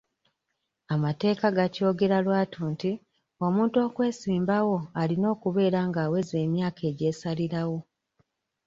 Amateeka gakyogera lwatu nti omuntu okwesimbawo alina okubeera ng'aweza emyaka egy'esalirawo.